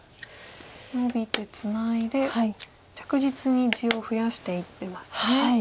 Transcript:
ノビてツナいで着実に地を増やしていってますね。